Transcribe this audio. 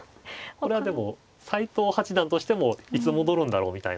これはでも斎藤八段としてもいつ戻るんだろうみたいな。